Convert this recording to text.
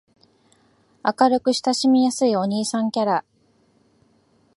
明るく親しみやすいお兄さんキャラ